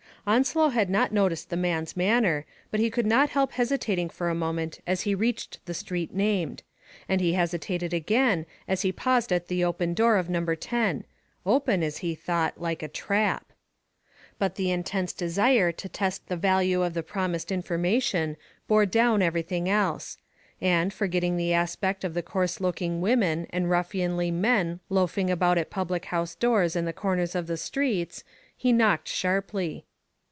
Onslow had not noticed the man's manner, but he could not help hesitating for a moment as he reached the street named ; and he hesitated again as he paused at the open door of No. lo — open, as he thought, like a trap. But the intense desire to test the value of the promised information bore down everything else ; and, forgetting the aspect of the coarse looking women and ruffianly men loafing about at public house doors and the comers of the streets, he knocked sharply.